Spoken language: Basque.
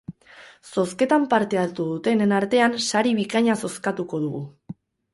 Zozketan parte hartu dutenen artean sari bikaina zozkatuko dugu.